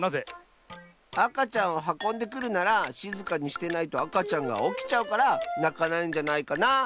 あかちゃんをはこんでくるならしずかにしてないとあかちゃんがおきちゃうからなかないんじゃないかな。